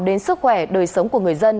đến sức khỏe đời sống của người dân